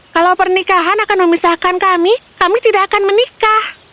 kalau pernikahan akan memisahkan kami kami tidak akan menikah